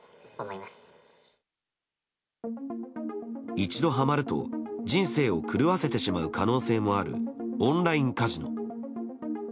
一度はまると人生を狂わせてしまう可能性もあるオンラインカジノ。